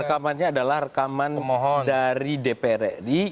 rekamannya adalah rekaman dari dpr ri